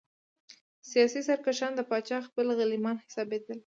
سیاسي سرکښان د پاچا خپل غلیمان حسابېدل.